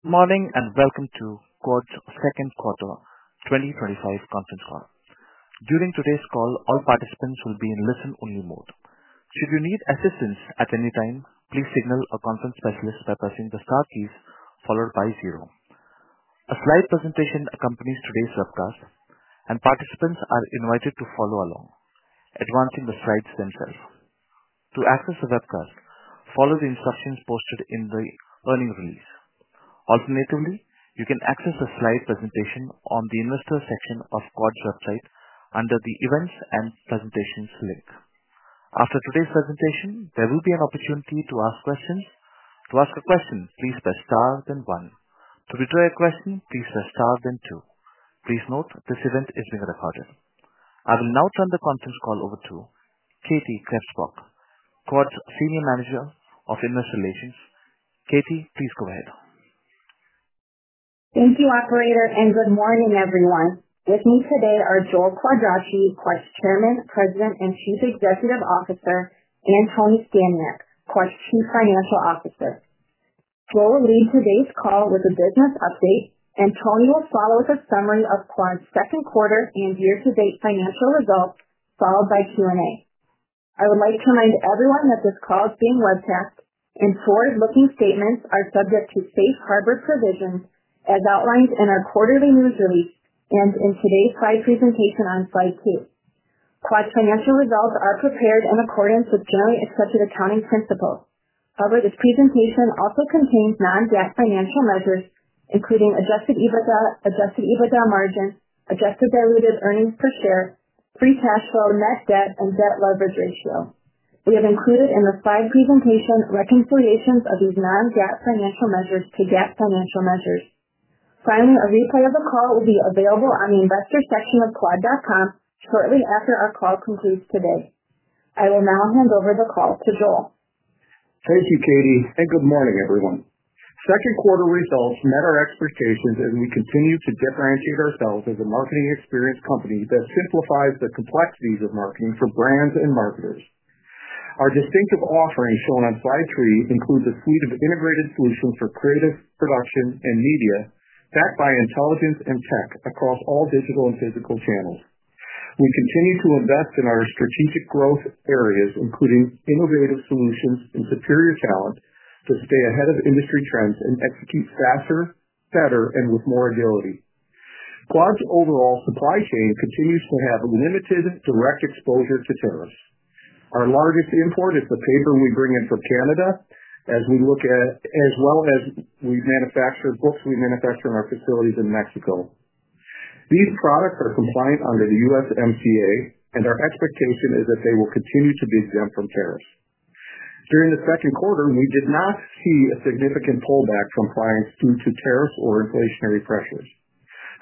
Good morning and welcome to Quad/Graphics, Inc. Katie Krebsbach 2025 Conference Call. During today's call, all participants will be in listen-only mode. If you need assistance at any time, please signal a conference specialist by pressing the star keys followed by zero. A slide presentation accompanies today's webcast, and participants are invited to follow along, advancing the slides themselves. To access the webcast, follow the instructions posted in the earnings release. Alternatively, you can access the slide presentation on the investor section of Quad's website under the events and presentations link. After today's presentation, there will be an opportunity to ask questions. To ask a question, please press star then one. To retry a question, please press star then two. Please note this event is being recorded. I will now turn the conference call over to Katie Krebsbach, Quad's Senior Manager of Investor Relations. Katie, please go ahead. Thank you, operator, and good morning, everyone. With me today are Joel Quadracci, Quad's Chairman, President, and Chief Executive Officer, and Tony Staniak, Quad's Chief Financial Officer. Joel will lead today's call with a business update, and Tony will follow with a summary of Quad's second quarter and year-to-date financial results, followed by Q&A. I would like to remind everyone that this call is being webcast, and forward-looking statements are subject to safe harbor provisions, as outlined in our quarterly news release and in today's slide presentation on slide two. Quad's financial results are prepared in accordance with generally accepted accounting principles. However, this presentation also contains non-GAAP financial measures, including Adjusted EBITDA, Adjusted EBITDA Margin, Adjusted Diluted Earnings Per Share, Free Cash Flow, and Net Debt Leverage Ratio. we have included in the slide presentation reconciliations of these non-GAAP financial measures to GAAP financial measures. Finally, a replay of the call will be available on the investor section of quad.com shortly after our call concludes today. I will now hand over the call to Joel. Thank you, Katie, and good morning, everyone. Second quarter results met our expectations as we continue to differentiate ourselves as a marketing-experienced company that simplifies the complexities of marketing for brands and marketers. Our distinctive offerings, as shown on our slide three, include the suite of integrated solutions for creative, production, and media backed by intelligence and tech across all digital and physical channels. We continue to invest in our strategic growth areas, including innovative solutions and superior talent to stay ahead of industry trends and execute faster, better, and with more agility. Quad's overall supply chain continues to have limited direct exposure to tariffs. Our largest import is the paper we bring in from Canada, as well as we manufacture books. We manufacture in our facilities in Mexico. These products are compliant under the USMCA, and our expectation is that they will continue to be exempt from tariffs. During the second quarter, we did not see a significant pullback from clients due to tariff or inflationary pressures.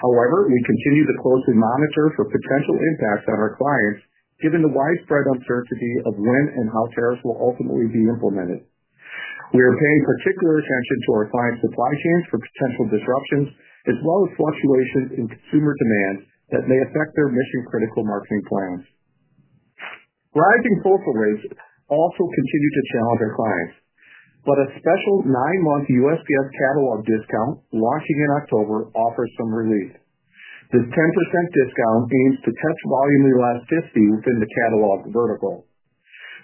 However, we continue to closely monitor for potential impact on our clients, given the widespread uncertainty of when and how tariffs will ultimately be implemented. We are paying particular attention to our clients' supply chains for potential disruptions, as well as fluctuations in consumer demand that may affect their mission-critical marketing plans. Rising postal rates also continue to challenge our clients, but a special nine-month USPS Catalog Discount launching in October offered some relief. This 10% discount aims to test volume elasticity within the catalog vertical.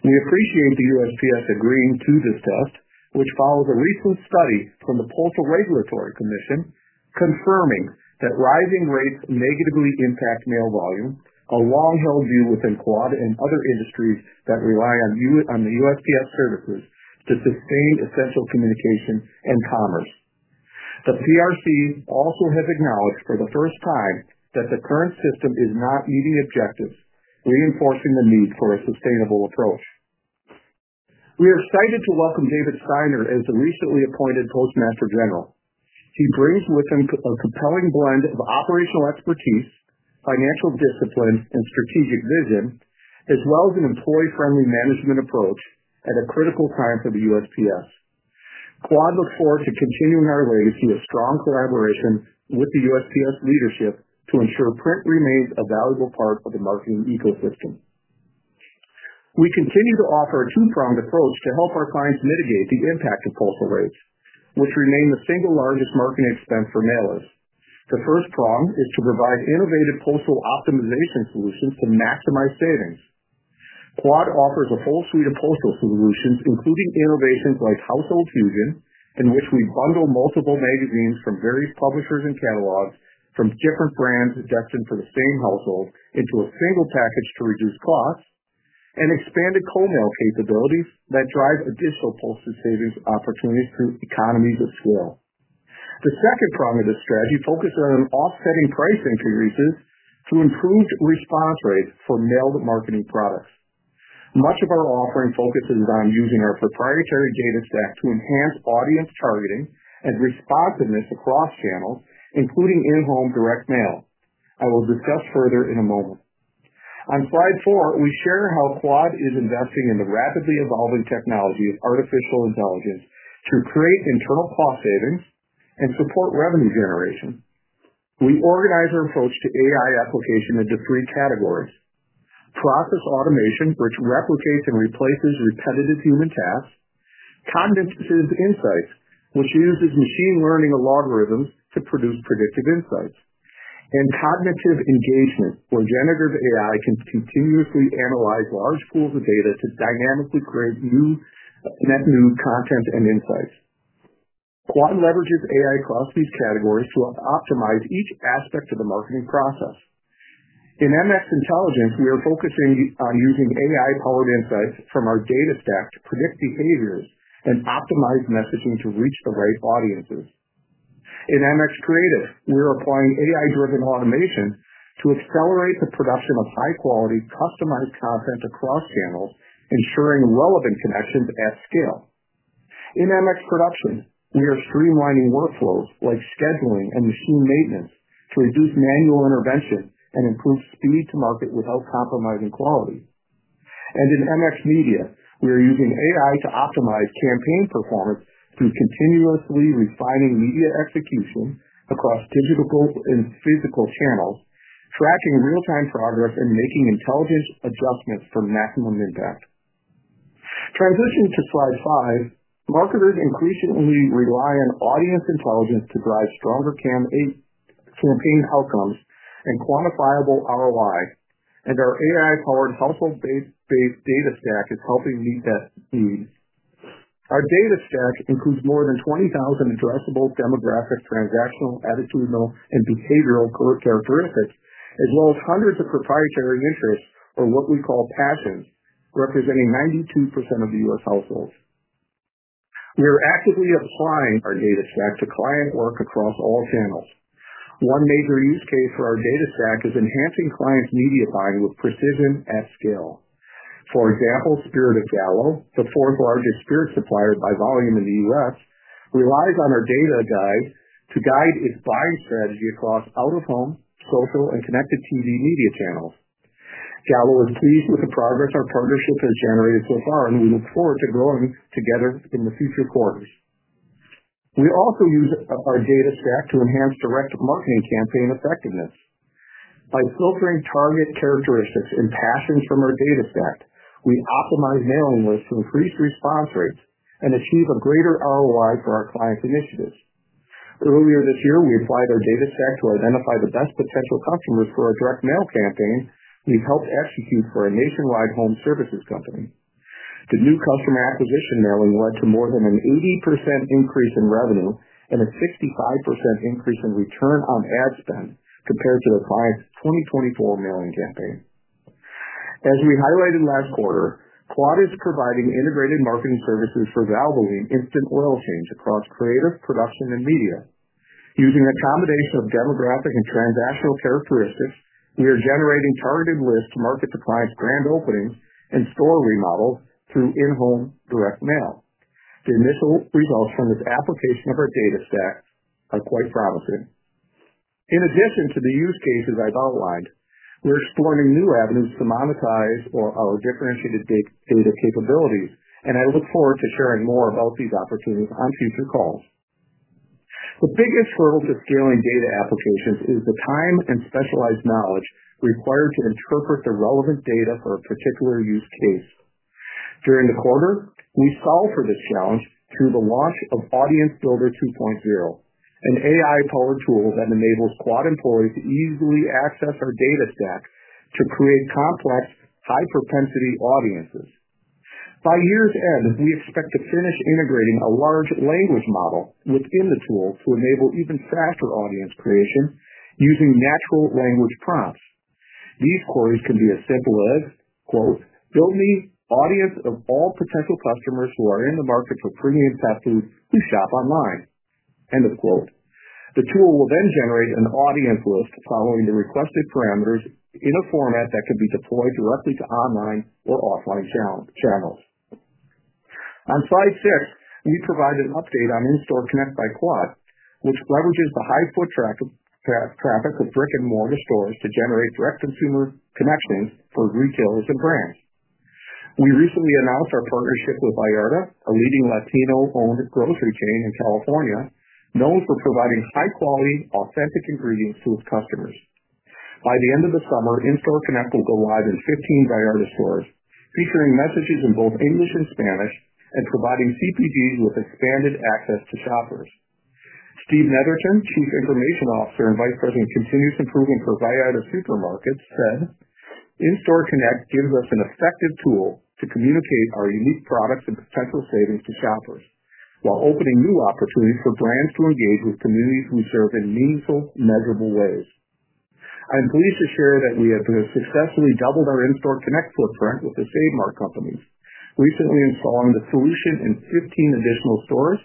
We appreciate the USPS agreeing to this boost, which follows a recent study from the Postal Regulatory Commission confirming that rising rates negatively impact mail volume, a long-held view within Quad and other industries that rely on USPS services to sustain essential communication and commerce. The PRC also has acknowledged for the first time that the current system is not meeting objectives, reinforcing the need for a sustainable approach. We are excited to welcome David Honan as the recently appointed Postmaster General. He brings with him a compelling blend of operational expertise, financial discipline, and strategic vision, as well as an employee-friendly management approach at a critical time for the USPS. Quad looks forward to continuing our legacy of strong collaboration with the USPS leadership to ensure print remains a valuable part of the marketing ecosystem. We continue to offer a two-pronged approach to help our clients mitigate the impact of postal rates, which remain the single largest marketing expense for mailers. The first prong is to provide innovative Postal Optimization Solutions to maximize savings. Quad offers a whole suite of postal solutions, including innovations like Household Fusion, in which we bundle multiple magazines from various publishers and catalogs from different brands destined for the same household into a single package to reduce costs, and expanded Co-mail capabilities that drive additional postal savings opportunities through economies of scale. The second prong of this strategy focuses on offsetting price increases to improve response rates for mailed marketing products. Much of our offering focuses on using our proprietary data stack to enhance audience targeting and responsiveness across channels, including in-home direct mail. I will discuss further in a moment. On slide four, we share how Quad is investing in the rapidly evolving technology of AI to create internal cost savings and support revenue generation. We organize our approach to AI application into three categories: Process Automation, which replicates and replaces repetitive human tasks, Cognitive Insights, which uses machine learning algorithms to produce predictive insights, and Cognitive Engagement, generative AI can continuously analyze large pools of data to dynamically create new net new content and insights. Quad leverages AI across these categories to optimize each aspect of the marketing process. In MX Intelligence, we are focusing on using AI-powered insights from our data stacks to predict behavior and optimize messaging to reach the right audiences. In MX Creative, we're applying AI-driven automation to accelerate the production of high-quality, customized content across channels, ensuring relevant connections at scale. In MX Production, we are streamlining workflows like scheduling and machine maintenance to reduce manual intervention and improve speed to market without compromising quality. In MX Media, we are using AI to optimize campaign performance through continuously refining media execution across digital and physical channels, tracking real-time progress and making intelligent adjustments for maximum impact. Transitioning to slide five, marketers increasingly rely on audience intelligence to drive stronger campaign outcomes and quantifiable ROI, and our AI-powered household-based data stack is helping meet that need. Our data stack includes more than 20,000 addressable demographics, transactional, attitudinal, and behavioral characteristics, as well as hundreds of proprietary interests or what we call patterns, representing 92% of the U.S. households. We are actively applying our data stack to client work across all channels. One major use case for our data stack is enhancing clients' media buying with precision at scale. For example, E. & J. Gallo Winery, the fourth largest spirit supplier by volume in the U.S., relies on our data guide to guide its buying strategy across out-of-home, social, and connected TV media channels. Gallo is pleased with the progress our partnership has generated so far, and we look forward to growing together in the future quarters. We also use our data stack to enhance direct marketing campaign effectiveness. By filtering target characteristics and passing from our data stack, we optimize mailing lists to increase response rates and achieve a greater ROI for our clients' initiatives. Earlier this year, we applied our data stack to identify the best potential customers for our direct mail campaign we've helped execute for a nationwide home services company. The new customer acquisition mailing led to more than an 80% increase in revenue and a 65% increase in return on ad spend compared to the client's 2024 mailing campaign. As we highlighted last quarter, Quad is providing integrated marketing services for Valvoline Instant Oil Change across creative production and media. Using a combination of demographic and transactional characteristics, we are generating targeted lists to market the client's grand opening and store remodels through in-home direct mail. The initial results from this application of our data stack are quite promising. In addition to the use cases I've outlined, we're exploring new avenues to monetize our differentiated data capabilities, and I look forward to sharing more about these opportunities on future calls. The biggest hurdle to scaling data applications is the time and specialized knowledge required to interpret the relevant data for a particular use case. During the quarter, we solved for this challenge through the launch of Audience Builder 2.0, an AI-powered tool that enables Quad employees to easily access our proprietary data stack to create complex, high-propensity audiences. By year's end, we expect to finish integrating a large language model within the tool to enable even faster audience creation using natural language prompts. These queries can be as simple as, quote, "Build me an audience of all potential customers who are in the market for premium fast food to shop online," end of quote. The tool will then generate an audience list following the requested parameters in a format that can be deployed directly to online or offline channels. On slide six, we provide an update on In-Store Connect by Quad, which leverages the high foot traffic of brick-and-mortar stores to generate direct consumer connections for retailers and brands. We recently announced our partnership with Vallarta, a leading Latino-owned grocery chain in California, known for providing high-quality, authentic ingredients to its customers. By the end of the summer, In-Store Connect will go live in 15 Vallarta stores, featuring messages in both English and Spanish, and providing CPGs with expanded access to shoppers. Steve Netterson, Chief Information Officer and Vice President of Continuous Improvement for Vallarta Supermarkets, said, "In-Store Connect gives us an effective tool to communicate our unique products and potential savings to shoppers while opening new opportunities for brands to engage with communities we serve in meaningful, measurable ways." I'm pleased to share that we have successfully doubled our In-Store Connect footprint with the Save Mart Companies, recently installing the solution in 15 additional stores,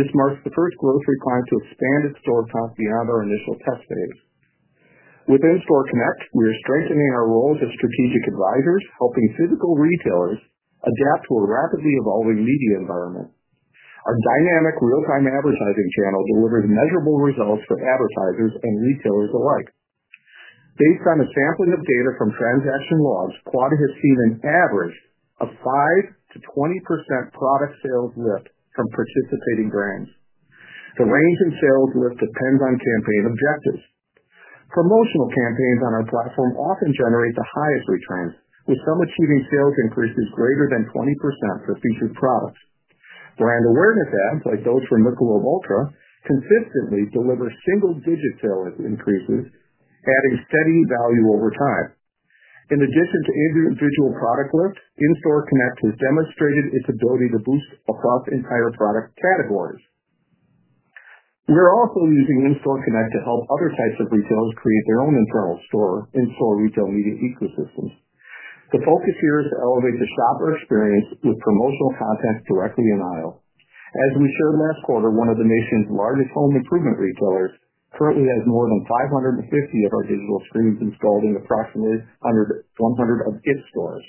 which marks the first grocery client to expand its store count beyond our initial test phase. With In-Store Connect, we are strengthening our role as strategic advisors, helping physical retailers adapt to a rapidly evolving media environment. Our dynamic real-time advertising channel delivers measurable results for advertisers and retailers alike. Based on a sampling of data from transaction logs, Quad has seen an average of 5%-20% product sales lift from participating brands. The range in sales lift depends on campaign objectives. Promotional campaigns on our platform often generate the highest returns, with some achieving sales increases greater than 20% for featured products. Brand awareness ads, like those from Michelob Ultra, consistently deliver single-digit sales increases, adding steady value over time. In addition to individual product lifts, In-Store Connect has demonstrated its ability to boost across entire product categories. We're also using In-Store Connect to help other types of retailers create their own internal store in-store retail media ecosystem. The focus here is to elevate the shopper experience with promotional content directly in aisle. As we shared last quarter, one of the nation's largest home improvement retailers currently has more than 550 of our digital screens installed in approximately 100 of its stores.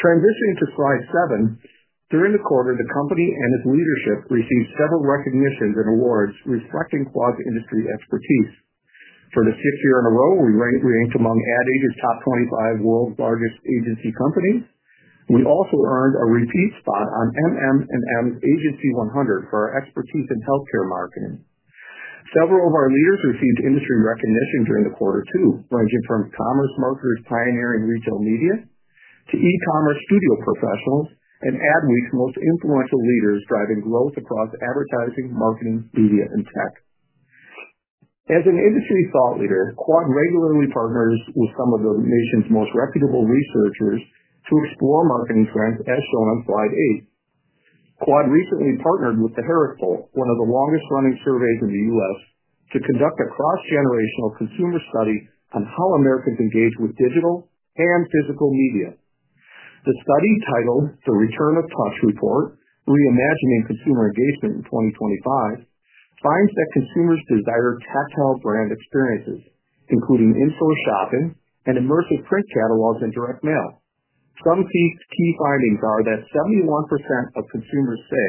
Transitioning to slide seven, during the quarter, the company and its leadership received several recognitions and awards reflecting Quad's industry expertise. For the sixth year in a row, we ranked among Ad Age's top 25 world's largest agency companies. We also earned a repeat spot on MM+M's Agency 100 for our expertise in healthcare marketing. Several of our leaders received industry recognition during the quarter too, ranging from commerce marketers, pioneering retail media, to e-commerce studio professionals, and Adweek's most influential leaders, driving growth across advertising, marketing, media, and tech. As an industry thought leader, Quad regularly partners with some of the nation's most reputable researchers to explore marketing trends, as shown on slide eight. Quad recently partnered with The Harris Poll, one of the longest-running surveys in the U.S., to conduct a cross-generational consumer study on how Americans engage with digital and physical media. The study, titled The Return of Trust Report: Reimagining Consumer Engagement in 2025, finds that consumers desire tactile brand experiences, including info adoption and immersive print catalogs and direct mail. Some key findings are that 71% of consumers say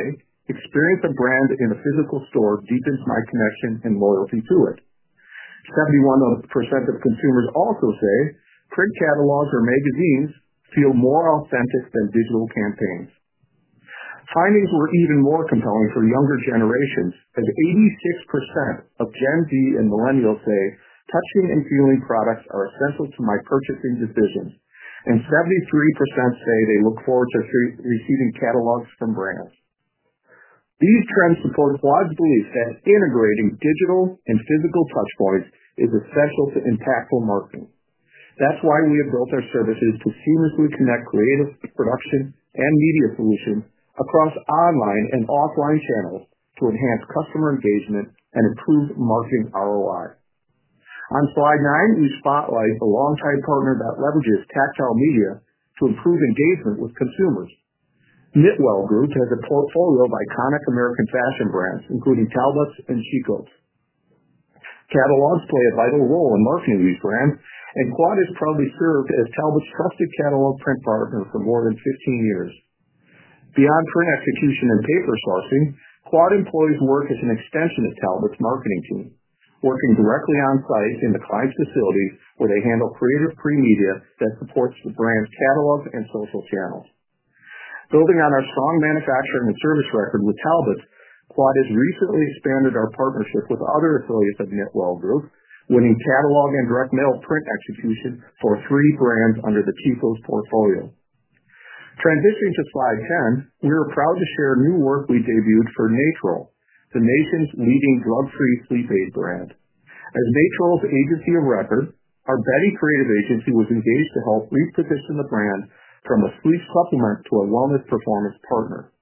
experiencing a brand in a physical store deepens my connection and loyalty to it. 71% of consumers also say print catalogs or magazines feel more authentic than digital campaigns. Findings were even more compelling for younger generations, as 86% of Gen Z and Millennials say touching and feeling products are essential to my purchasing decisions, and 73% say they look forward to receiving catalogs from brands. These trends support Quad's belief that integrating digital and physical touchpoints is essential to impactful marketing. That's why we have built our services to seamlessly connect creative production and media solutions across online and offline channels to enhance customer engagement and improve marketing ROI. On slide nine, we spotlight a longtime partner that leverages tactile media to improve engagement with consumers. Knitwell Group has a portfolio of iconic American fashion brands, including Talbots and Soma. Catalogs play a vital role in marketing these brands, and Quad has proudly served as Talbots' trusted catalog print partner for more than 15 years. Beyond print execution and paper sourcing, Quad employees work as an extension of Talbots' marketing team, working directly on site in the client's facilities, where they handle creative free media that supports the brand's catalog and social channels. Building on our strong manufacturing and service record with Talbots, Quad has recently expanded our partnership with other affiliates of Knitwell Group, winning catalog and direct mail print execution for three brands under the T-Flows portfolio. Transitioning to slide 10, we are proud to share new work we debuted for Natrol, the nation's leading drug-free sleep aid brand. As Natrol's agency of record, our Betty Creative Agency was engaged to help reposition the brand from a sleep supplement to a wellness performance partner.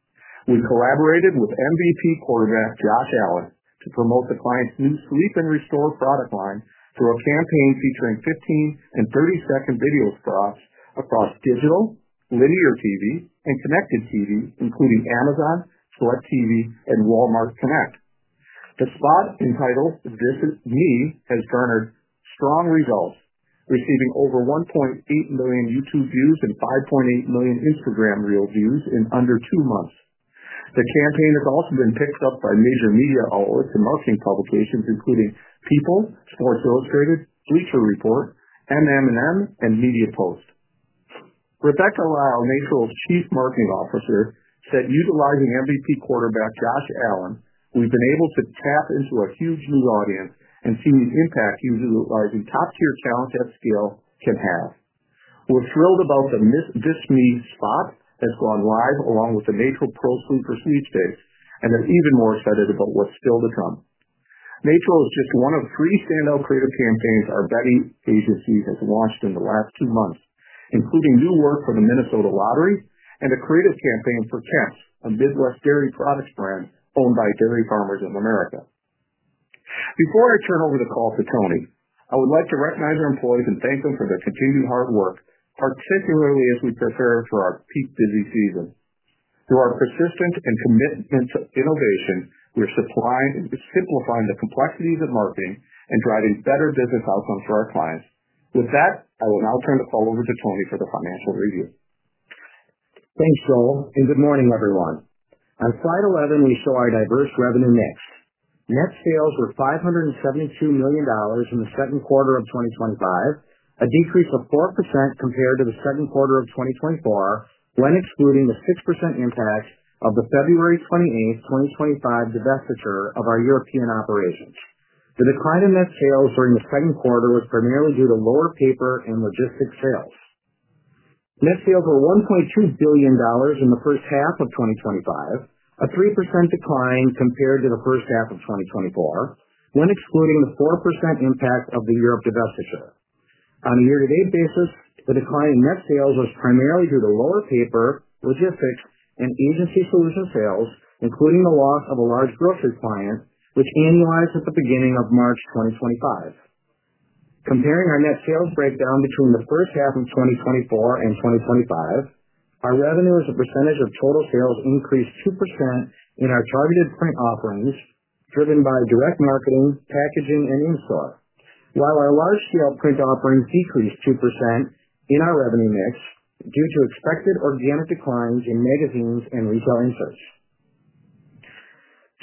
We collaborated with MVP quarterback Josh Allen to promote the client's new Sleep and Restore product line through a campaign featuring 15 and 30-second video spots across digital, linear TV, and connected TV, including Amazon, Amazon Freevee, and Walmart Connect. The spot entitled "This Is Me" has garnered strong results, receiving over 1.8 million YouTube views and 5.8 million Instagram reel views in under two months. The campaign has also been picked up by major media outlets and marketing publications, including People, Sports Illustrated, Bleacher Report, MM+M, and MediaPost. Rebecca Lyle, Natrol's Chief Marketing Officer, said, "Utilizing MVP quarterback Josh Allen, we've been able to tap into a huge new audience and seen the impact utilizing top-tier talent at scale can have." We're thrilled about the 'This Is Me' spot has gone live along with the Natrol Pro Food Prestige case, and I'm even more excited about what's still to come. Natrol is just one of three standout creative campaigns our Betty Creative Agency has launched in the last two months, including new work for the Minnesota Lottery and a creative campaign for Kemps, a Midwest dairy product brand owned by Dairy Farmers of America. Before I turn over the call to Tony, I would like to recognize our employees and thank them for their continued hard work, particularly as we prepare for our peak busy season. Through our persistence and commitment to innovation, we are supplying and simplifying the complexities of marketing and driving better business outcomes for our clients. With that, I will now turn the call over to Tony for the financial review. Thanks, Joel, and good morning, everyone. On slide 11, we show our diverse revenue mix. Net sales were $572 million in the second quarter of 2025, a decrease of 4% compared to the second quarter of 2024, when excluding the 6% impact of the February 28th, 2025, divestiture of our European operations. The decline in net sales during the second quarter was primarily due to lower paper and logistics sales. Net sales were $1.2 billion in the first half of 2025, a 3% decline compared to the first half of 2024, when excluding the 4% impact of the Europe divestiture. On a year-to-date basis, the decline in net sales was primarily due to lower paper, logistics, and agency solution sales, including the loss of a large grocery client, which annualized at the beginning of March 2025. Comparing our net sales breakdown between the first half of 2024 and 2025, our revenue as a percentage of total sales increased 2% in our targeted print offerings, driven by direct marketing, packaging, and in-store, while our large-scale print offerings decreased 2% in our revenue mix due to expected organic declines in magazines and retail insights.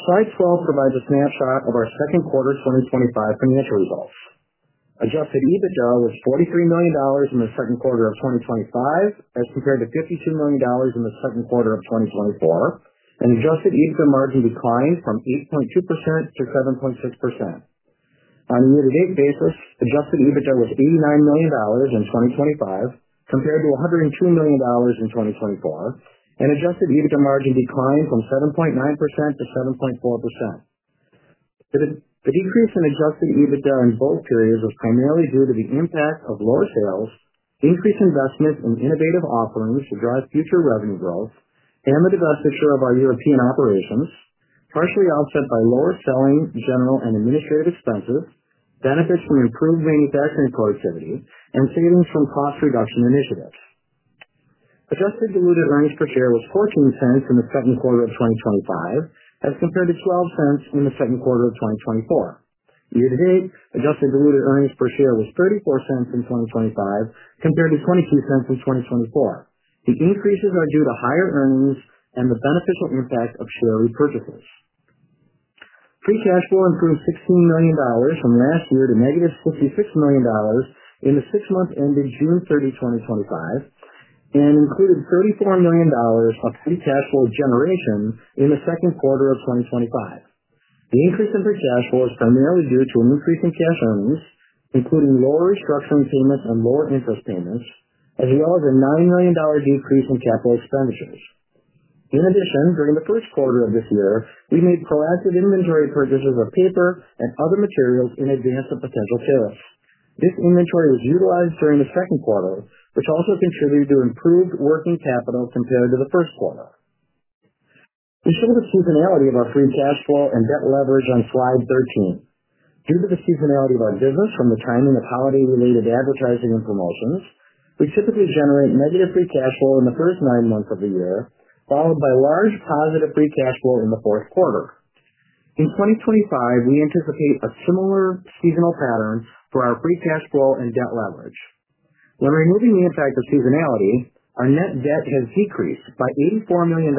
Slide 12 provides a snapshot of our second quarter 2025 financial results. Adjusted EBITDA was $43 million in the second quarter of 2025, as compared to $52 million in the second quarter of 2024, and Adjusted EBITDA Margin declined from 8.2% to 7.6%. On a year-to-date basis, Adjusted EBITDA was $89 million in 2025, compared to $102 million in 2024, and Adjusted EBITDA Margin declined from 7.9% to 7.4%. The decrease in Adjusted EBITDA in both periods was primarily due to the impact of lower sales, increased investment in innovative offerings to drive future revenue growth, and the divestiture of our European operations, partially offset by lower selling, general, and administrative expenses, benefits from improved manufacturing productivity, and savings from cost reduction initiatives. Adjusted Diluted Earnings Per Share was $0.14 in the second quarter of 2025, as compared to $0.12 in the second quarter of 2024. Year-to-date, Adjusted Diluted Earnings Per Share was $0.34 in 2025, compared to $0.23 in 2024. The increases are due to higher earnings and the beneficial impact of share repurchases. Free Cash Flow improved $16 million from last year to negative $56 million in the six months ending June 30, 2025, and included $34 million of Free Cash Flow generation in the second quarter of 2025. The increase in Free Cash Flow is primarily due to an increase in cash earnings, including lower restructuring payments and lower interest payments, as well as a $9 million decrease in capital expenditures. In addition, during the first quarter of this year, we made proactive inventory purchases of paper and other materials in advance of potential sales. This inventory was utilized during the second quarter, which also contributed to improved working capital compared to the first quarter. Consider the seasonality of our Free Cash Flow and debt leverage on slide 13. Due to the seasonality of our business from the timing of holiday-related advertising and promotions, we typically generate negative Free Cash Flow in the first nine months of the year, followed by large positive Free Cash Flow in the fourth quarter. In 2025, we anticipate a similar seasonal pattern for our Free Cash Flow and debt leverage. When removing the impact of seasonality, our Net Debt has decreased by $84 million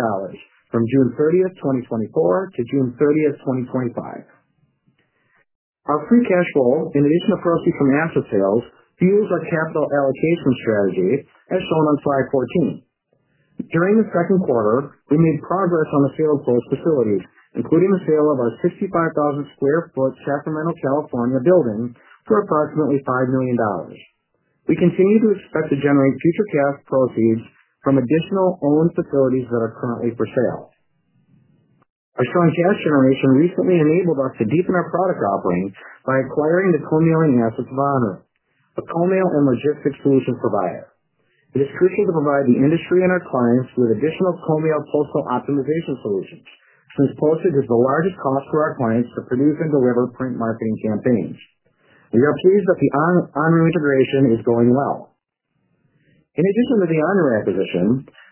from June 30th, 2024 to June 30, 2025. Our Free Cash Flow, in addition to profit from asset sales, fuels our capital allocation strategy, as shown on slide 14. During the second quarter, we made progress on the sale of both facilities, including the sale of our 65,000 square foot Sacramento, California, building for approximately $5 million. We continue to expect to generate future cash proceeds from additional owned facilities that are currently for sale. Our strong cash generation recently enabled us to deepen our product offerings by acquiring Enru, a Co-mail and logistics solution provider. It is crucial to provide the industry and our clients with additional Co-mail Postal Optimization Solutions, since posting is the largest cost for our clients to produce and deliver print marketing campaigns. We are pleased that the Enru integration is going well. In addition to the Enru acquisition,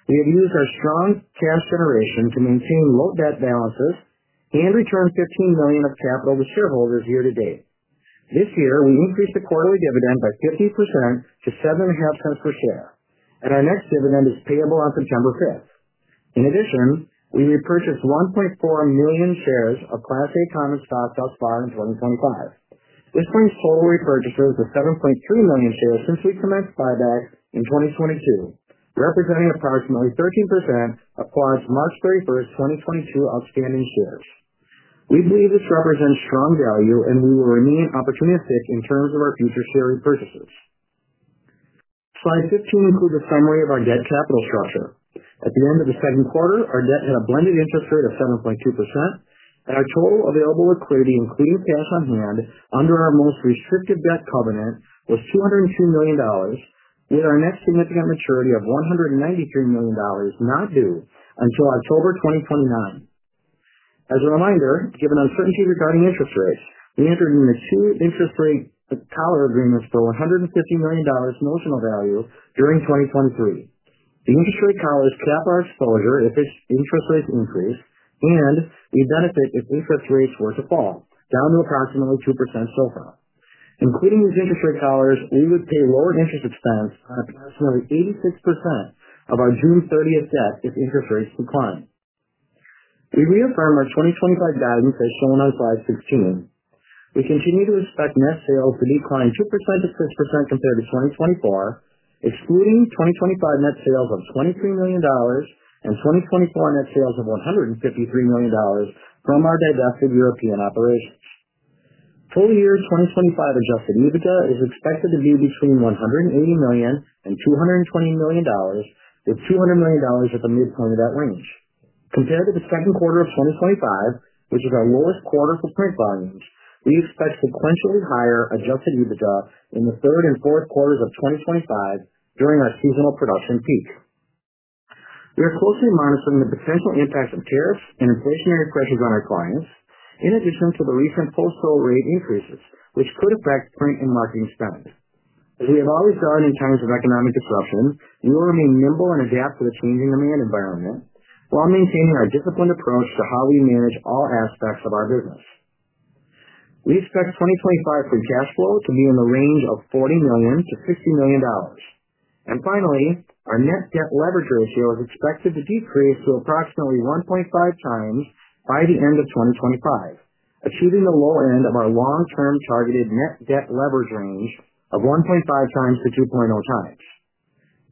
we have used our strong cash generation to maintain low debt balances and return $15 million of capital to shareholders year to date. This year, we increased the quarterly dividend by 50% to $0.075 per share, and our next dividend is payable on September 5. In addition, we repurchased 1.4 million shares of Class A common stock thus far in 2025. This brings total repurchases to 7.2 million shares since we commenced buybacks in 2022, representing approximately 13% of Quad's March 31st, 2022 outstanding shares. We believe this represents strong value, and we will remain opportunistic in terms of our future share repurchases. Slide 16 includes a summary of our debt capital structure. At the end of the second quarter, our debt had a blended interest rate of 7.2%, and our total available liquidity, including cash on hand under our most restricted debt covenant, was $202 million, with our next significant maturity of $193 million not due until October 2029. As a reminder, given uncertainty regarding interest rates, we entered into two interest rate power agreements for $150 million notional value during 2023. The interest rate powers cap our exposure if interest rates increase, and we benefit if interest rates were to fall down to approximately 2% so far. Including these interest rate powers, we would pay lower interest expense on approximately 86% of our June 30 debt if interest rates declined. We reaffirm our 2025 guidance, as shown on slide 16. We continue to expect net sales to decline 2% to 6% compared to 2024, excluding 2025 net sales of $23 million and 2024 net sales of $153 million from our divested European operations. Full-year 2025 Adjusted EBITDA is expected to be between $180 million and $220 million, with $200 million at the midpoint of that range. Compared to the second quarter of 2025, which is our lowest quarter for print volumes, we expect a quadruple higher Adjusted EBITDA in the third and fourth quarters of 2025 during our seasonal production peak. We are closely monitoring the potential impact of tariffs and inflationary pressures on our clients, in addition to the recent postal rate increases, which could affect print and marketing spend. As we have always done in times of economic disruption, we will remain nimble and adapt to the changing demand environment while maintaining our disciplined approach to how we manage all aspects of our business. We expect 2025 Free Cash Flow to be in the range of $40-$60 million. Finally, Net Debt Leverage Ratio is expected to decrease to approximately 1.5 times by the end of 2025, achieving the low end of our long-term targeted Net Debt Leverage Range of 1.5 times to 2.0 times.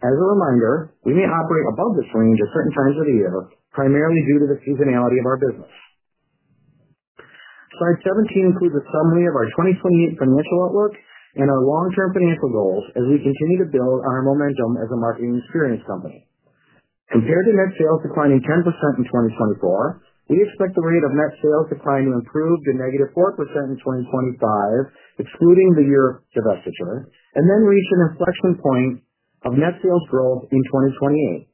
As a reminder, we may operate above this range at certain times of the year, primarily due to the seasonality of our business. Slide 17 includes a summary of our 2028 financial outlook and our long-term financial goals as we continue to build on our momentum as a marketing experience company. Compared to net sales declining 10% in 2024, we expect the rate of net sales to improve to negative 4% in 2025, excluding the Europe divestiture, and then reach an inflection point of net sales growth in 2028.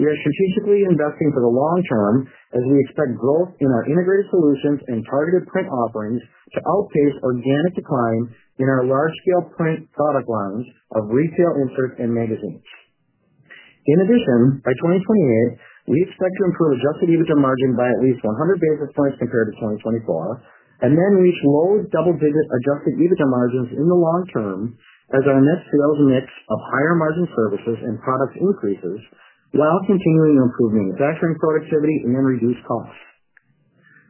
We are strategically investing for the long term as we expect growth in our integrated marketing solutions and targeted print offerings to outpace organic decline in our large-scale print product lines of retail inserts and magazines. In addition, by 2028, we expect to improve Adjusted EBITDA Margin by at least 100 basis points compared to 2024, and then reach low double-digit Adjusted EBITDA Margins in the long term as our net sales mix of higher margin services and products increases while continuing to improve manufacturing productivity and reduce costs.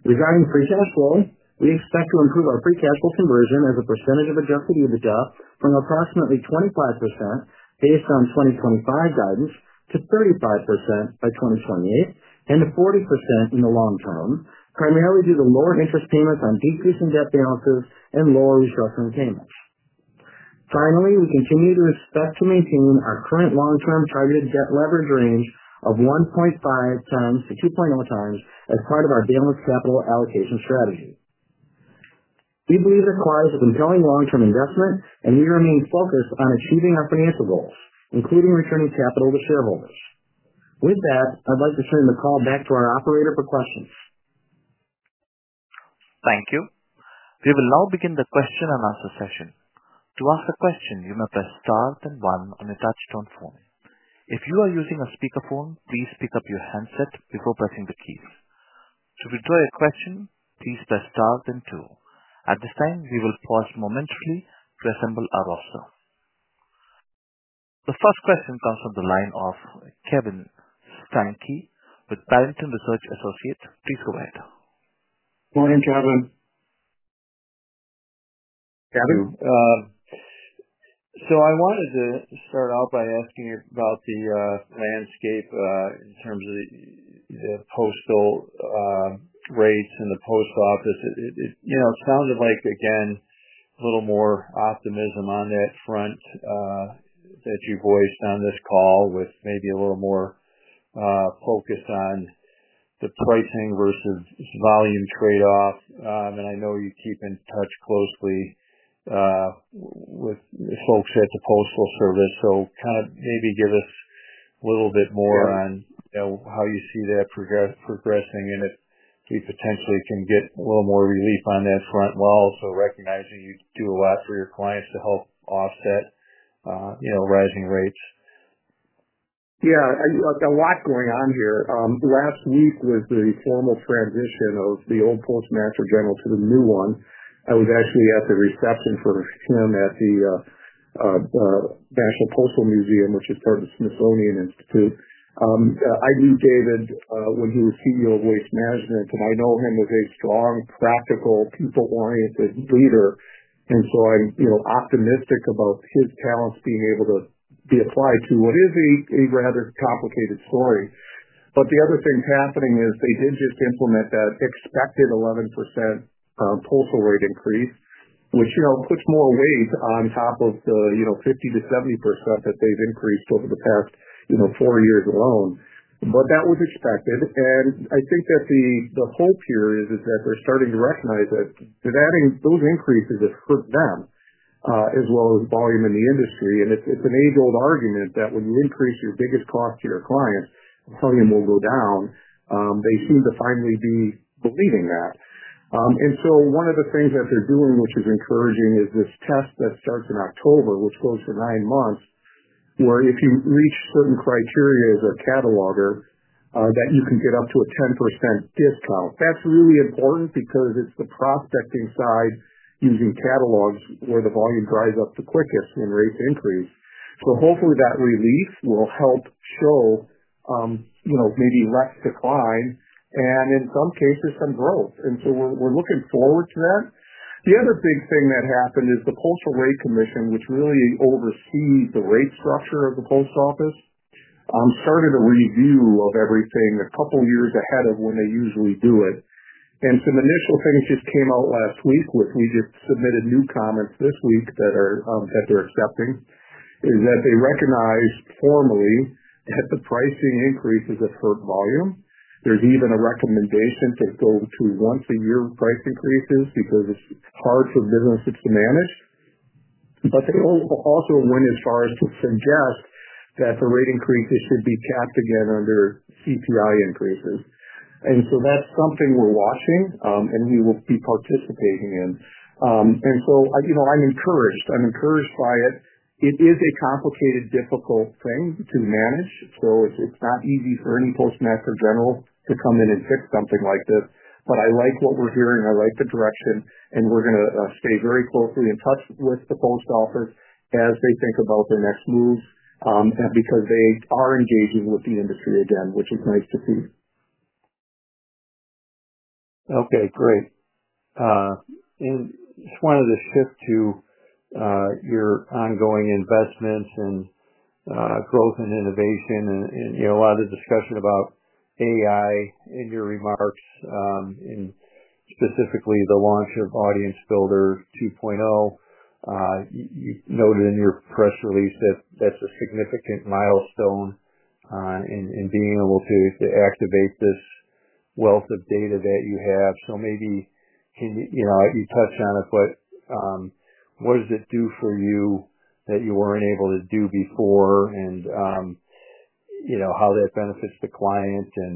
Regarding Free Cash Flow, we expect to improve our Free Cash Flow conversion as a percentage of Adjusted EBITDA from approximately 25% based on 2025 guidance to 35% by 2028 and to 40% in the long term, primarily due to lower interest payments on decreasing debt balances and lower restructuring payments. Finally, we continue to expect to maintain our current long-term targeted Net Debt Leverage Range of 1.5 times to 2.0 times as part of our balanced capital allocation strategy. We believe it requires a compelling long-term investment, and we remain focused on achieving our financial goals, including returning capital to shareholders. With that, I'd like to turn the call back to our operator for questions. Thank you. We will now begin the question and answer session. To ask a question, you may press star then one on the touch-tone phone. If you are using a speakerphone, please pick up your handset before pressing the keys. If you withdraw a question, please press star then two. At this time, we will pause momentarily to assemble our roster. The first question comes from the line of Kevin Steinke, a Barrington Research Associate. Please go ahead. Morning Kevin. Kevin. I wanted to start out by asking about the landscape in terms of the postal rate in the Post Office. It sounded like, again, a little more optimism on that front that you voiced on this call with maybe a little more focus on the pricing versus volume trade-off. I know you keep in touch closely with the folks at the Postal Service, so maybe give us a little bit more on how you see that progressing and if we potentially can get a little more relief on that front, while also recognizing you do a lot for your clients to help offset rising rates. Yeah, I got a lot going on here. Last week was the formal transition of the old Postmaster General to the new one. I was actually at the reception for him at the National Postal Museum, which is part of the Smithsonian Institution. I knew David when he was CEO of Waste Management, Inc., and I know him as a strong, practical, people-oriented leader. I'm optimistic about his talents being able to be applied to what is a rather complicated story. The other thing happening is they did just implement that expected 11% postal rate increase, which puts more weight on top of the 50% to 70% that they've increased over the past four years alone. That was expected. I think that the hope here is that they're starting to recognize that those increases have hurt them, as well as volume in the industry. It's an age-old argument that when you increase your biggest cost to your client, volume will go down. They seem to finally be believing that. One of the things that they're doing, which is encouraging, is this test that starts in October, which goes for nine months, where if you reach certain criteria as a cataloger, you can get up to a 10% discount. That's really important because it's the prospecting side using catalogs where the volume dries up the quickest when rates increase. Hopefully, that release will help show maybe less decline and in some cases some growth. We're looking forward to that. The other big thing that happened is the Postal Rate Commission, which really oversees the rate structure of the Post Office, started a review of everything a couple of years ahead of when they usually do it. Some initial things just came out last week and we just submitted new comments this week that they're accepting, which is that they recognize formally that the pricing increases have hurt volume. There's even a recommendation to go to once-a-year price increases because it's hard for businesses to manage. They also went as far as to suggest that for rate increases to be capped again under CPI increases. That's something we're watching, and we will be participating in. I'm encouraged by it. It is a complicated, difficult thing to manage. It's not easy for any Postmaster General to come in and fix something like this. I like what we're hearing. I like the direction, and we're going to stay very closely in touch with the Post Office as they think about their next move because they are engaging with the industry again, which is nice to see. Okay, great. I just wanted to shift to your ongoing investments and growth and innovation. You know, a lot of the discussion about AI in your remarks, and specifically the launch of Audience Builder 2.0. You noted in your press release that that's a significant milestone in being able to activate this wealth of data that you have. Maybe can you, you know, you touched on it, but what does it do for you that you weren't able to do before? You know, how that benefits the client and,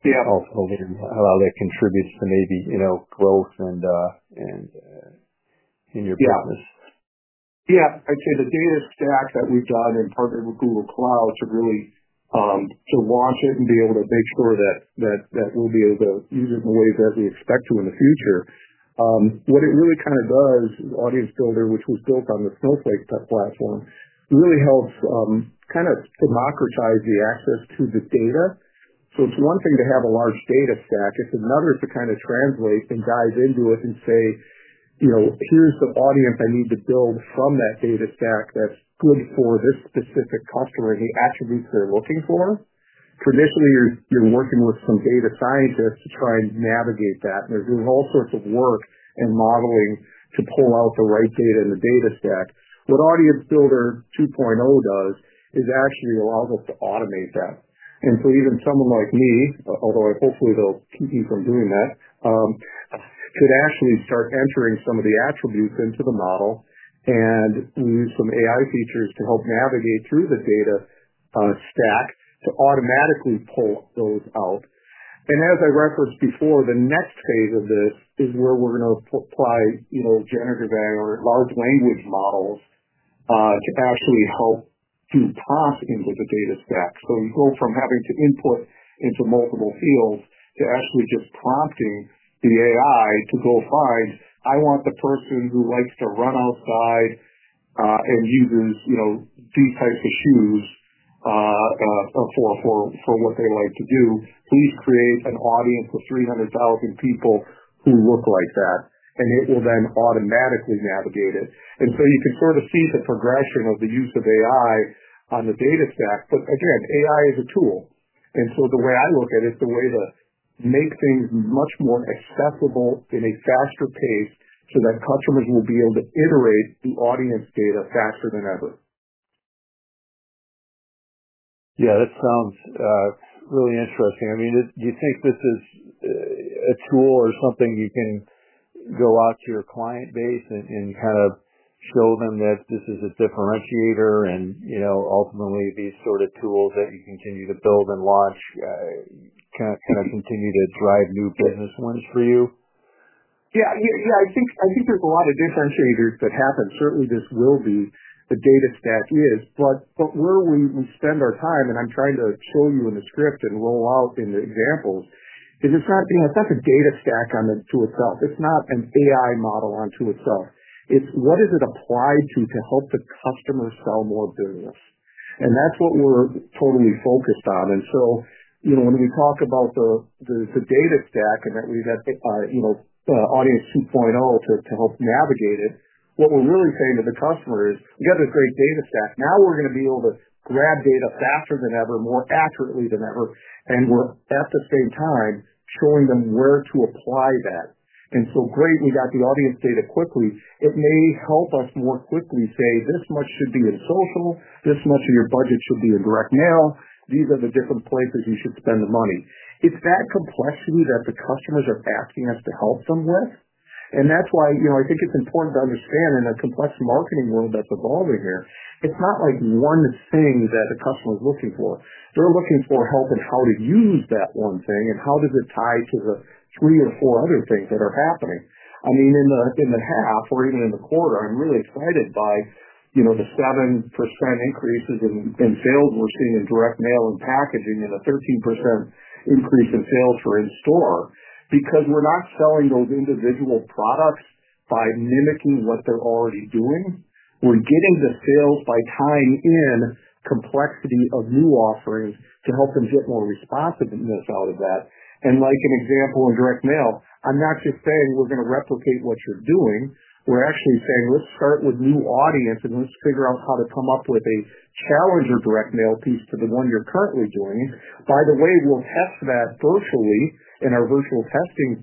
yeah, how that contributes to maybe growth in your business. Yeah. I'd say the data stacks that we've gone and partnered with Google Cloud to really launch it and be able to make sure that we'll be able to use it in the ways that we expect to in the future. What it really kind of does, Audience Builder, which was built on Skillscape Platform, really helps kind of democratize the access to the data. It's one thing to have a large data stack. It's another to kind of translate and dive into it and say, you know, here's the audience I need to build from that data stack that's good for this specific customer and the attributes they're looking for. Traditionally, you're working with some data scientists to try and navigate that. They're doing all sorts of work and modeling to pull out the right data in the data stack. What Audience Builder 2.0 does is actually allows us to automate that. Even someone like me, although I hopefully don't keep you from doing that, could actually start entering some of the attributes into the model and use some AI features to help navigate through the data stack to automatically pull those out. As I referenced before, the next phase of this is where we're going to apply, you generative AI or large language models to actually help do talking with the data stack. You go from having to input into multiple fields to actually just prompting the AI to go find, "I want the person who likes to run outside, and uses, you know, c, for what they like to do. Please create an audience of 300,000 people who look like that." It will then automatically navigate it. You can sort of see the progression of the use of AI on the data stack. Again, AI is a tool. The way I look at it is to make things much more accessible in a faster pace so that customers will be able to iterate through audience data faster than ever. Yeah, that sounds really interesting. I mean, do you think this is a tool or something you can go out to your client base and kind of show them that this is a differentiator, and you know, ultimately these sort of tools that you continue to build and launch can continue to drive new business wins for you? I think there's a lot of differentiators that happen. Certainly, this will be the data stack is, but where we spend our time, and I'm trying to show you in the script and roll out in the examples, is it's not the data stack onto itself. It's not an AI model onto itself. It's what is it applied to to help the customer sell more business. That's what we're totally focused on. When we talk about the data stack and that we've got Audience Builder 2.0 to help navigate it, what we're really saying to the customer is, "We got this great data stack. Now we're going to be able to grab data faster than ever, more accurately than ever." We're, at the same time, showing them where to apply that. Great, we got the audience data quickly. It may help us more quickly say, "This much should be in social. This much of your budget should be in direct mail. These are the different places you should spend the money." It's that complexity that the customers are asking us to help them with. That's why I think it's important to understand in a complex marketing world that's evolving here, it's not like one thing that a customer is looking for. They're looking for help on how to use that one thing and how does it tie to the three or four other things that are happening. I mean, in the half or even in the quarter, I'm really excited by the 7% increases in sales we're seeing in direct mail and packaging and the 13% increase in sales for in-store because we're not selling those individual products by mimicking what they're already doing. We're getting the sales by tying in complexity of new offerings to help them get more responsiveness out of that. Like an example in direct mail, I'm not just saying we're going to replicate what you're doing. We're actually saying, "Let's start with a new audience and let's figure out how to come up with a challenger direct mail piece to the one you're currently doing." By the way, we'll test that virtually in our Virtual Testing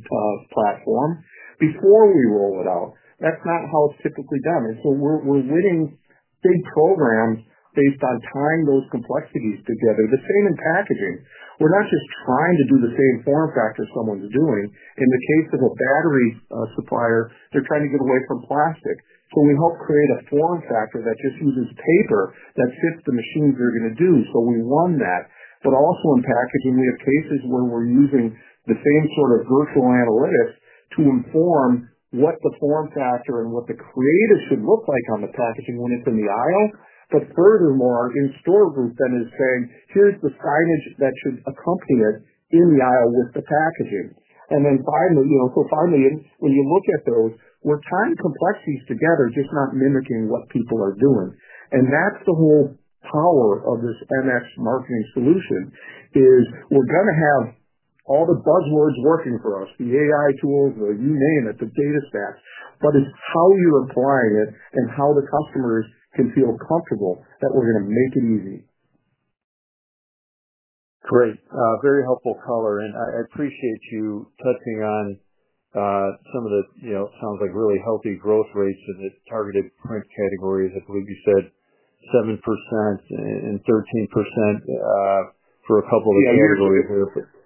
Platform before we roll it out. That's not how it's typically done. It's where we're winning big programs based on tying those complexities together. The same in packaging. We're not just trying to do the same form factor someone's doing. In the case of a battery supplier, they're trying to get away from plastic. We help create a form factor that just uses paper that fits the machines they're going to use. We won that. Also, in packaging, we have cases where we're using the same sort of virtual analytics to inform what the form factor and what the creative should look like on the packaging when it's in the aisle. Furthermore, in-store group then is saying, "Here's the signage that should accompany it in the aisle with the packaging." Finally, when you look at those, we're tying complexities together, just not mimicking what people are doing. That's the whole power of this MX marketing solution, we're going to have all the buzzwords working for us, the AI tools, or you name it, the data stacks. It's how you're applying it and how the customers can feel comfortable that we're going to make it easy. Great. Very helpful color. I appreciate you touching on some of this. You know, sounds like really healthy growth rates in its targeted print categories. I believe you said 7% and 13% for a couple of the categories over here. Yeah,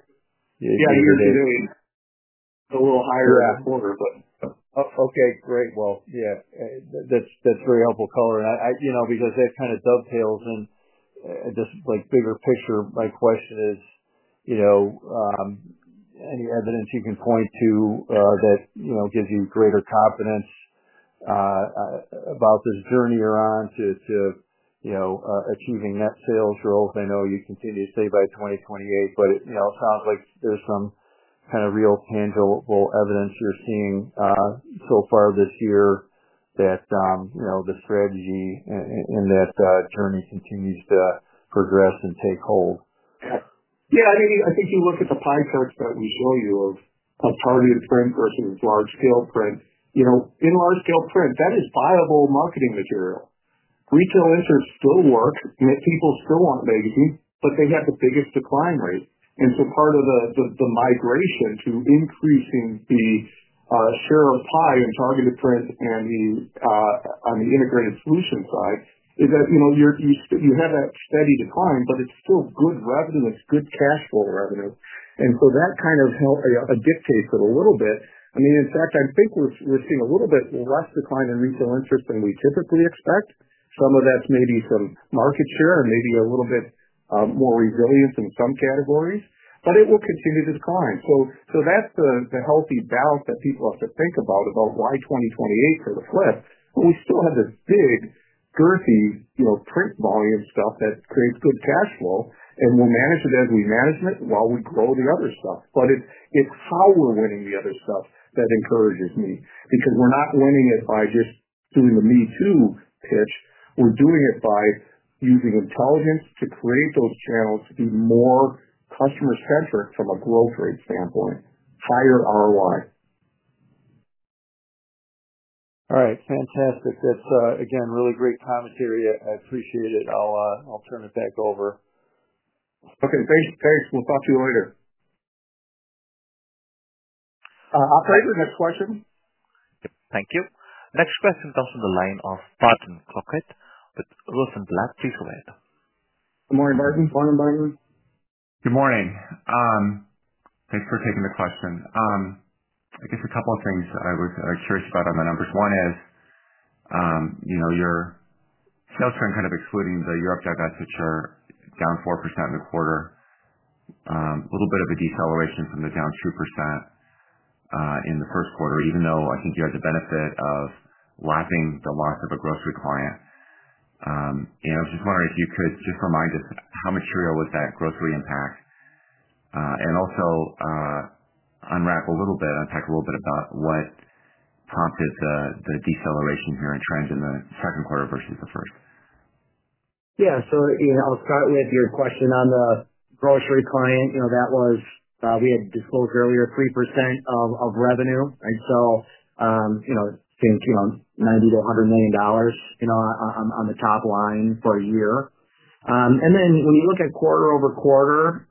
it's a little higher this quarter. Okay, great. That's very helpful color. I, you know, because that kind of dovetails in this bigger picture, my question is, you know, any evidence you can point to that gives you greater confidence about this journey you're on to achieving net sales growth? I know you continue to say by 2028, but it sounds like there's some kind of real tangible evidence you're seeing so far this year that the strategy in that journey continues to progress and take hold. Yeah, I mean, I think you look at the pie charts that we show you of targeted print versus large-scale print. In large-scale print, that is viable marketing material. Retail inserts still work, and people still want magazines, but they have the biggest decline rate. Part of the migration to increasing the share of pie in targeted print and on the integrated solution side is that you still have that steady decline, but it's still good revenue. It's good cash flow revenue, and that kind of dictates it a little bit. In fact, I think we're seeing a little bit less decline in retail interest than we typically expect. Some of that's maybe some market share and maybe a little bit more resilience in some categories, but it will continue to decline. That's the healthy balance that people have to think about, about why 2028 for the flip. We still have this big, girthy print volume stuff that creates good cash flow, and we'll manage it as we manage it while we grow the other stuff. It's how we're winning the other stuff that encourages me because we're not winning it by just doing the me-too pitch. We're doing it by using intelligence to create those channels to do more customer centric from a growth rate standpoint, higher ROI. All right. Fantastic. That's, again, really great commentary. I appreciate it. I'll turn it back over. Okay, thanks. Thanks. We'll talk to you later. I'll take the next question. Thank you. Next question comes from the line of Barton Crockett with Rosenblatt Securities. Please go ahead. Good morning, Barton Crockett. Good morning. Thanks for taking the question. I guess a couple of things I was curious about on the numbers. One is, you know, your sales trend kind of excluding the Europe divestiture down 4% in the quarter, a little bit of a deceleration from the down 2% in the first quarter, even though I think you had the benefit of lessening the loss of a grocery client. I was just wondering if you could just remind us how material was that grocery impact, and also unwrap a little bit and talk a little bit about what prompted the deceleration here in trends in the second quarter versus the first. Yeah, so I'll start with your question on the grocery client. That was, we had disclosed earlier, 3% of revenue. It's changed $90-$100 million on the top line for a year. When you look at quarter over quarter,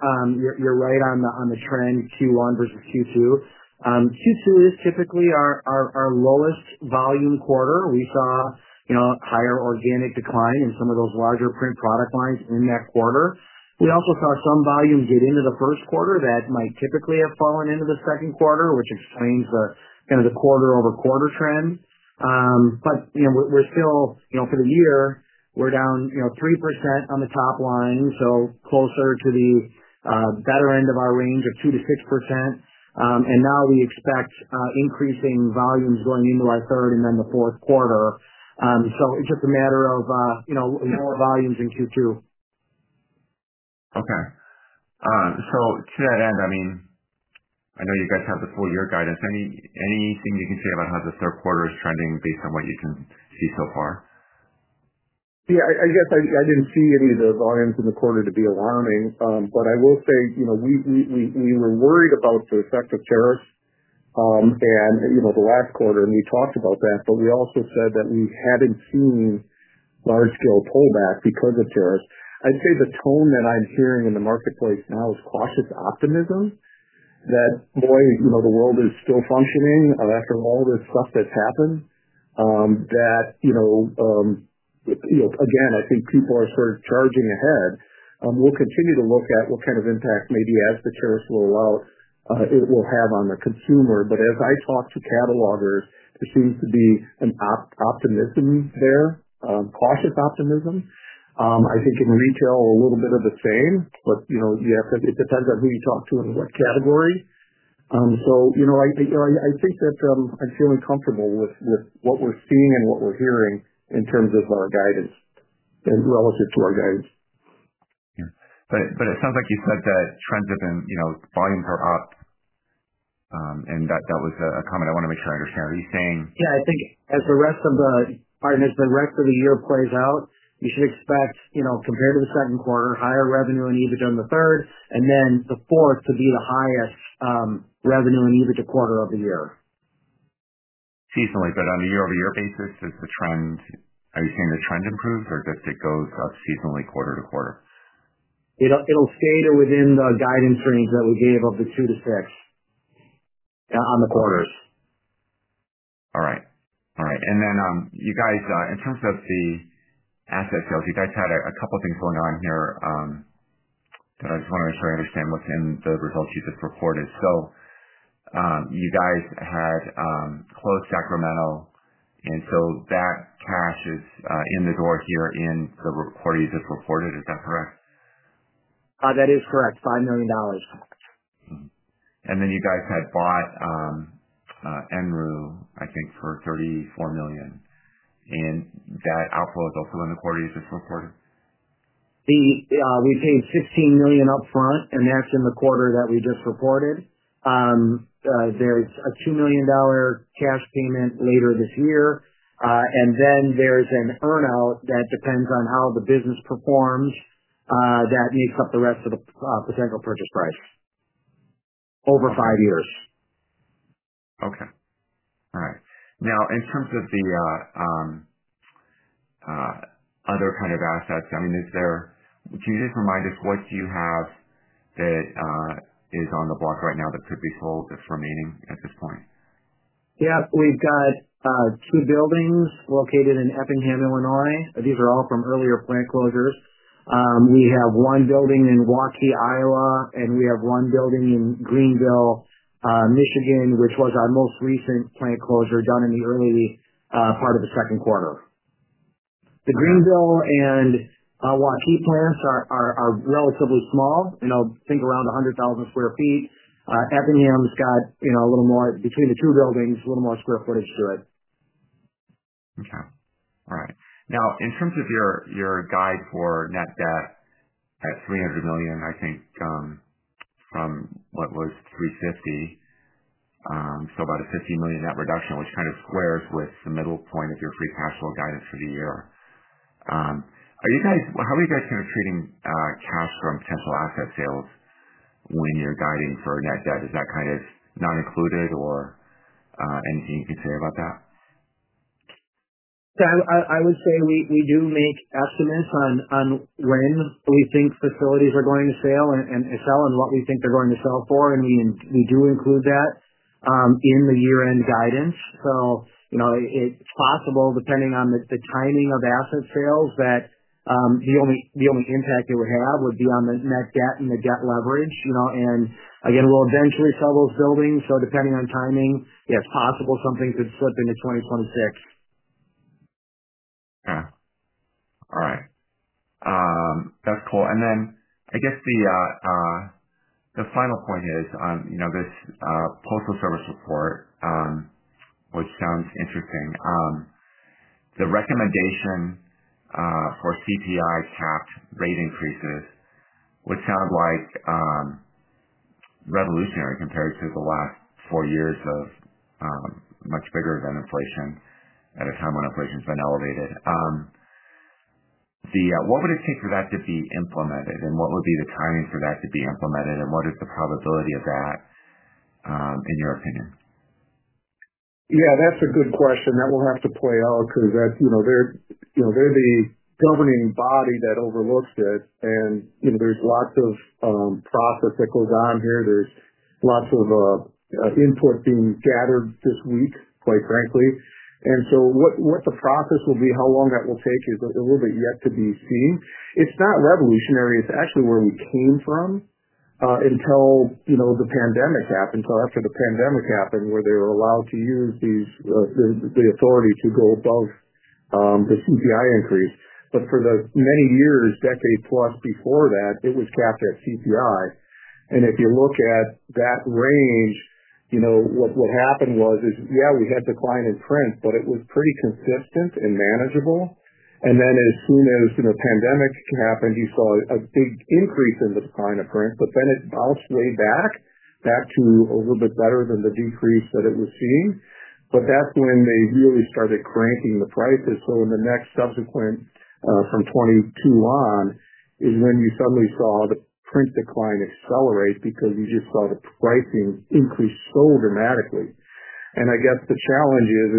you're right on the trend Q1 versus Q2. Q2 is typically our lowest volume quarter. We saw a higher organic decline in some of those larger print product lines in that quarter. We also saw some volume get into the first quarter that might typically have fallen into the second quarter, which explains the quarter over quarter trend. For the year, we're down 3% on the top line, so closer to the better end of our range of 2% to 6%. We now expect increasing volumes going into our third and then the fourth quarter. It's just a matter of lower volumes in Q2. Okay. To that end, I mean, I know you guys have the full year guidance. Anything you can say about how the third quarter is trending based on what you can see so far? Yeah, I guess I didn't see any of the volumes in the quarter to be alarming. I will say, you know, we were worried about the effect of tariffs, and, you know, the last quarter, we talked about that, but we also said that we hadn't seen large-scale pullbacks because of tariffs. I'd say the tone that I'm hearing in the marketplace now is cautious optimism that, boy, you know, the world is still functioning after all this stuff that's happened, that, you know, again, I think people are sort of charging ahead. We'll continue to look at what kind of impact maybe as the tariffs roll out, it will have on the consumer. As I talk to catalogers, there seems to be an optimism there, cautious optimism. I think in retail, a little bit of the same, but, you know, you have to, it depends on who you talk to and what category. I think that I'm feeling comfortable with what we're seeing and what we're hearing in terms of our guidance and relative to our guidance. It sounds like you said that trends have been, you know, volumes are up, and that was a comment I want to make sure I understand. Are you saying? I think as the rest of the year plays out, you should expect, compared to the second quarter, higher revenue and EBITDA in the third, and then the fourth to be the highest revenue and EBITDA quarter of the year. Seasonally, on a year-over-year basis, is the trend, are you seeing the trend improve, or does it go up seasonally quarter to quarter? It'll fade within the guidance range that we gave of the 2 to 6, on the quarters. All right. In terms of the asset sales, you guys had a couple of things going on here. I just want to make sure I understand what's in the results you just reported. You guys had closed Sacramento, and that cash is in the door here in the quarter you just reported. Is that correct? That is correct, $5 million. You guys had bought Enru, I think, for $34 million. That outflow is also in the quarter you just reported? We paid $15 million upfront, and that's in the quarter that we just reported. There's a $2 million cash payment later this year, and then there's an earnout that depends on how the business performs that makes up the rest of the potential purchase price over five years. Okay. All right. Now, in terms of the other kind of assets, can you just remind us what do you have that is on the block right now that could be sold that's remaining at this point? Yeah, we've got two buildings located in Effingham, Illinois. These are all from earlier plant closures. We have one building in Waukee, Iowa, and we have one building in Greenville, Michigan, which was our most recent plant closure done in the early part of the second quarter. The Greenville and Waukee plants are relatively small. I think around 100,000 square feet. Effingham's got a little more between the two buildings, a little more square footage to it. Okay. All right. Now, in terms of your guide for Net Debt, I have $300 million, I think, from what was $350 million, so about a $50 million net reduction, which kind of squares with the midpoint of your Free Cash Flow guidance for the year. Are you guys, how are you guys kind of treating cash from potential asset sales when you're guiding for Net Debt? Is that kind of not included, or anything you can say about that? Yeah, I would say we do make estimates on when we think facilities are going to sell and what we think they're going to sell for, and we do include that in the year-end guidance. You know, it's possible, depending on the timing of asset sales, that the only impact it would have would be on the Net Debt and the debt leverage. You know, we'll eventually sell those buildings. Depending on timing, yeah, it's possible something could slip into 2026. Okay. All right. That's cool. I guess the final point is on this Postal Service report, which sounds interesting. The recommendation for CPI cap rate increases would sound like, revolutionary compared to the last four years of much bigger than inflation at a time when inflation's been elevated. What would it take for that to be implemented, and what would be the timing for that to be implemented, and what is the probability of that, in your opinion? Yeah, that's a good question. That will have to play out because they're the governing body that overlooks it. There's lots of process that goes on here. There's lots of input being gathered this week, quite frankly. What the process will be, how long that will take, a little bit yet to be seen. It's not revolutionary. It's actually where we came from, until the pandemic happened, so after the pandemic happened, where they were allowed to use the authority to go above the CPI increase. For the many years, decade plus before that, it was capped at CPI. If you look at that range, what happened was, yeah, we had decline in print, but it was pretty consistent and manageable. As soon as the pandemic happened, you saw a big increase in the decline of print, but then it bounced way back, back to a little bit better than the decrease that it was seeing. That's when they really started cranking the prices. In the next subsequent, from 2022 on is when you suddenly saw the print decline accelerate because you just saw the pricing increase so dramatically. I guess the challenge is,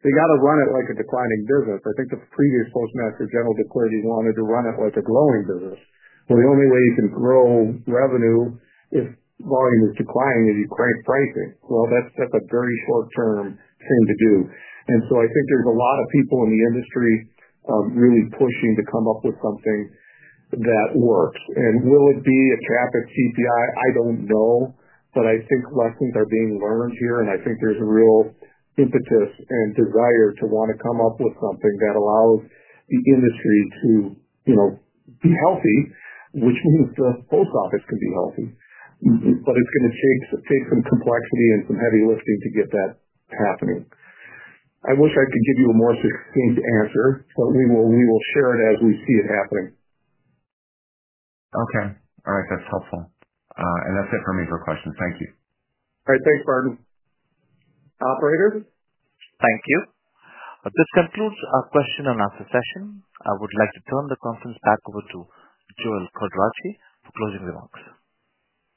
they got to run it like a declining business. I think the previous Postmaster General declared he wanted to run it like a growing business. The only way you can grow revenue if volume is declining is you crank pricing. That's a very short-term thing to do. I think there's a lot of people in the industry really pushing to come up with something that works. Will it be a trap at CPI? I don't know. I think lessons are being learned here, and I think there's a real impetus and desire to want to come up with something that allows the industry to be healthy, which means the Post Office can be healthy. It's going to take some complexity and some heavy lifting to get that happening. I wish I could give you a more succinct answer, but we will share it as we see it happening. Okay. All right. That's helpful, and that's it for me for questions. Thank you. All right. Thanks, Barton. Operator. Thank you. This concludes our question and answer session. I would like to turn the conference back over to Joel Quadracci for closing remarks.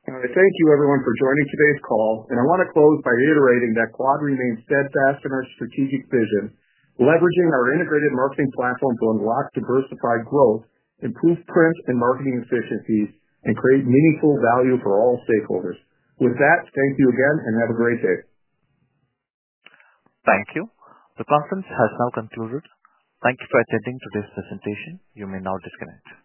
All right. Thank you, everyone, for joining today's call. I want to close by reiterating that Quad remains steadfast in our strategic vision, leveraging our integrated marketing platform to unlock diversified growth, improve print and marketing efficiencies, and create meaningful value for all stakeholders. With that, thank you again, and have a great day. Thank you. The conference has now concluded. Thank you for attending today's presentation. You may now disconnect.